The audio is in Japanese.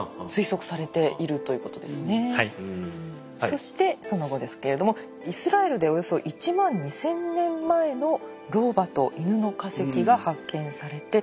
そしてその後ですけれどもイスラエルでおよそ１万２，０００年前の老婆とイヌの化石が発見されて。